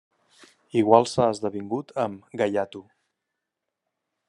Igual s’ha esdevingut amb "gaiato".